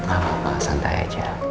ah santai aja